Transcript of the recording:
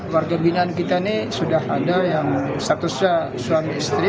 warga binaan kita ini sudah ada yang statusnya suami istri